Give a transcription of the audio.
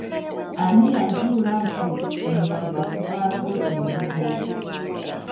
Ani eyazuula nti ku mutuba kuvaako embugo?